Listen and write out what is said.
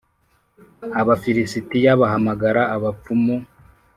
Abafilisitiya bahamagara abapfumu